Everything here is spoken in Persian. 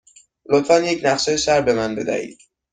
لطفاً یک نقشه شهر به من بدهید.